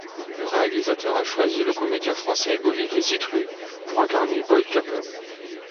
Le réalisateur a choisi le comédien français Olivier Sitruk pour incarner Boy Capel.